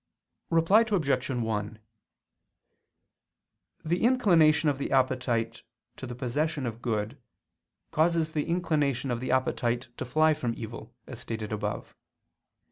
Reply Obj. 1: The inclination of the appetite to the possession of good causes the inclination of the appetite to fly from evil, as stated above.